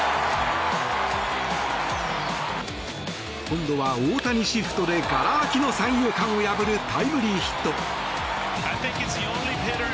今度は大谷シフトでがら空きの三遊間を破るタイムリーヒット。